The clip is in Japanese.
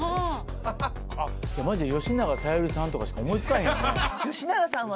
マジで吉永小百合さんとかしか思い付かへんよね。